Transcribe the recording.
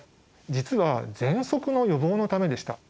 実はぜんそくの予防のためでした。